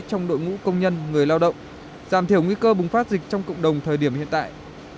trong đội ngũ công nhân người lao động giảm thiểu nguy cơ bùng phát dịch trong cộng đồng thời điểm hiện tại